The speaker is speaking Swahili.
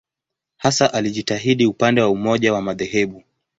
Hasa alijitahidi upande wa umoja wa madhehebu.